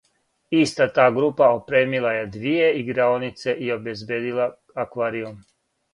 Иста та група опремила је двије играонице и обезбиједила акваријум.